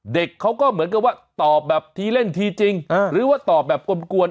เด็กเขาก็เหมือนกับว่าตอบแบบทีเล่นทีจริงหรือว่าตอบแบบกลมกวน